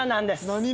何？